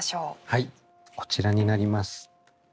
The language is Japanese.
はいこちらになります。